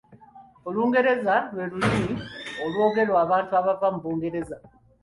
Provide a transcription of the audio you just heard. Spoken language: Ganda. Olungereza lwe lulimi olwogerwa abantu abava mu Bungereza.